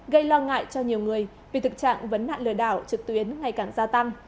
gây lo ngại cho nhiều người vì thực trạng vấn nạn lừa đảo trực tuyến ngày càng gia tăng